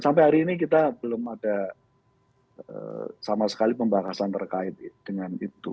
sampai hari ini kita belum ada sama sekali pembatasan terkait dengan itu